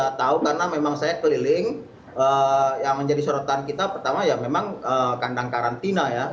saya tahu karena memang saya keliling yang menjadi sorotan kita pertama ya memang kandang karantina ya